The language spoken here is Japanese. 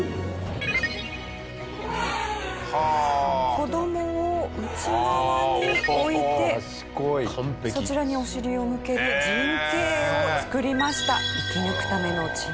子どもを内側に置いてそちらにお尻を向けて陣形を作りました。